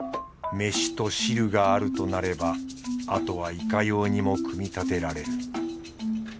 飯と汁があるとなればあとはいかようにも組み立てられる。